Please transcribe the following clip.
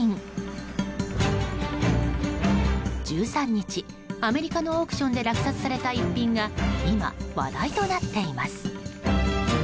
１３日、アメリカのオークションで落札された逸品が今、話題となっています。